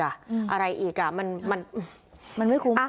อะไรอีกมันไม่คุ้ม